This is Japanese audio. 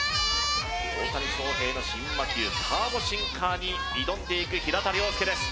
大谷翔平の新魔球ターボシンカ−に挑んでいく平田良介です